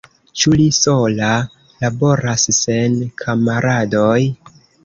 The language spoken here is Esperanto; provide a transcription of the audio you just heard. Ĉu li sola laboras, sen kamaradoj?